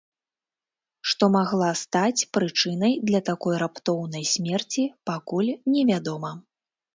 Што магла стаць прычынай для такой раптоўнай смерці, пакуль невядома.